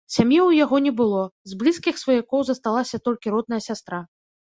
Сям'і ў яго не было, з блізкіх сваякоў засталася толькі родная сястра.